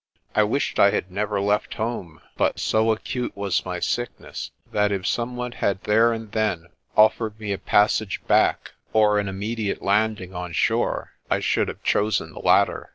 I wished I had never left home, but so acute was my sick ness that if some one had there and then offered me a pas FURTH! FORTUNE! 29 sage back or an immediate landing on shore I should have chosen the latter.